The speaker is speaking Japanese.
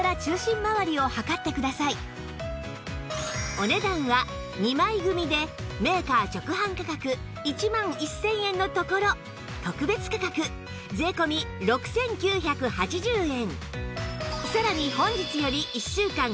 お値段は２枚組でメーカー直販価格１万１０００円のところ特別価格税込６９８０円